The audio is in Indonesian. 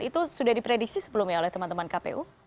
itu sudah diprediksi sebelumnya oleh teman teman kpu